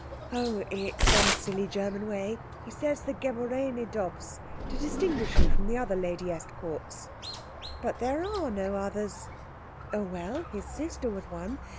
"Oh, it's some silly German way. He says the geborene Dobbs, to distinguish you from other Lady Estcourts." "But there are no others." "Oh, well, his sister was one.